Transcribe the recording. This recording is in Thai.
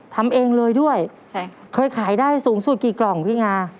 ทำเองเลยด้วยเคยขายได้สูงสุดกี่กล่องพี่งา